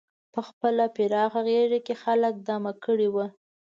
په خپله پراخه غېږه کې یې خلک دمه کړي وو.